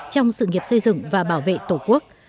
trong sự nghiệp xây dựng và bảo vệ tổ quốc